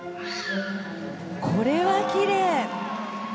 これはきれい！